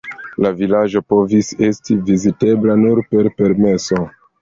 La vilaĝo povis esti vizitebla nur per permeso.